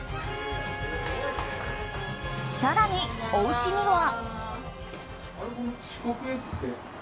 更におうちには。